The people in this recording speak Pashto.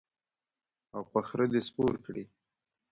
او په خره دې سپور کړي.